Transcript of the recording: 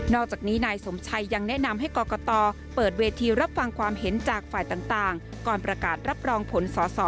อกจากนี้นายสมชัยยังแนะนำให้กรกตเปิดเวทีรับฟังความเห็นจากฝ่ายต่างก่อนประกาศรับรองผลสอสอ